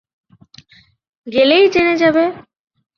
গেলেই জেনে যাবে।